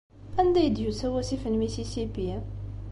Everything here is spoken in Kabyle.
Anda ay d-yusa wasif n Mississippi?